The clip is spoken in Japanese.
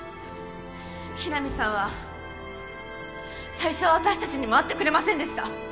雛見さんは最初は私たちにも会ってくれませんでした。